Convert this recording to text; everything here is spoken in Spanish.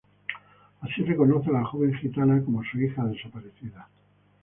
Así reconoce a la joven gitana como su hija desaparecida.